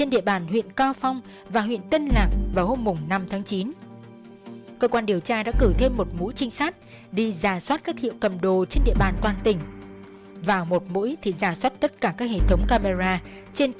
đến ngày một mươi một tháng chín tổ công tác ở hà nội bán tin về